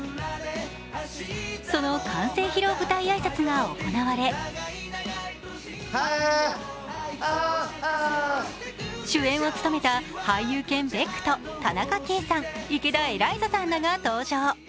その完成披露舞台挨拶が行われ主演を務めた俳優犬・ベックと田中圭さん、池田エライザさんらが登場。